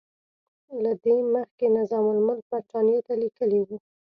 له دې مخکې نظام الملک برټانیې ته لیکلي وو.